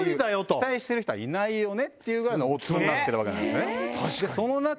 期待してる人はいないよねっていうぐらいのオッズになってるわけなんですね。